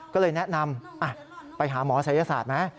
ก็เลยแนะนำไปหาหมอศัยศาสตร์ไหม